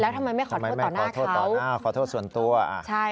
แล้วทำไมไม่ขอโทษต่อหน้าขอโทษต่อหน้าขอโทษส่วนตัวใช่